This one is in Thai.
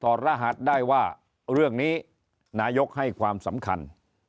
รหัสได้ว่าเรื่องนี้นายกให้ความสำคัญ